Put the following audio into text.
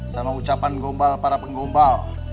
sama ucapan gombal para penggombal